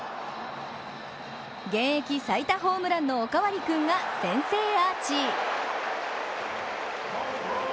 現役最多ホームランのおかわり君が先制アーチ。